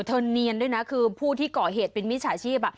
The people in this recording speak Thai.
เนียนด้วยนะคือผู้ที่ก่อเหตุเป็นมิจฉาชีพ